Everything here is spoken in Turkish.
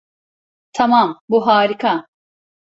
Tamam, bu harika.